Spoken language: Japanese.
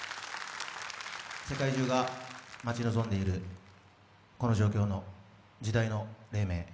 世界中が、待ち望んでいる、この状況の時代黎明。